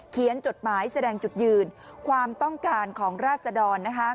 จดหมายแสดงจุดยืนความต้องการของราศดร